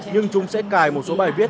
nhưng chúng sẽ cài một số bài viết